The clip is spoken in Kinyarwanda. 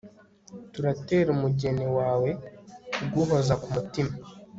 turatera umugeni wawe kuguhoza ku mutima